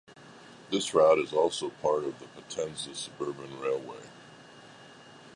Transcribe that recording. This route is also part of the Potenza Suburban Railway.